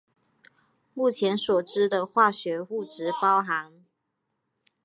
目前所知的化学物质包含。